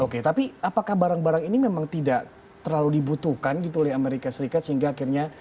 oke tapi apakah barang barang ini memang tidak terlalu dibutuhkan gitu oleh amerika serikat sehingga akhirnya